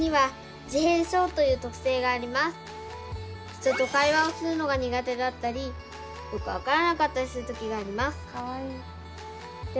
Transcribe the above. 人と会話をするのが苦手だったりよく分からなかったりする時があります。